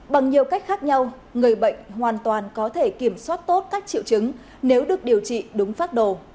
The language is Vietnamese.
bằng nhiều cách khác nhau người bệnh hoàn toàn có thể kiểm soát tốt các triệu chứng nếu được điều trị đúng pháp đồ